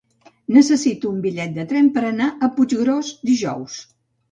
Necessito un bitllet de tren per anar a Puiggròs dijous.